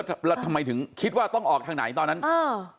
แล้วทำไมถึงคิดว่าต้องออกทางไหนตอนนั้นอ่า